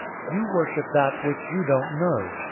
004:022 You worship that which you don't know.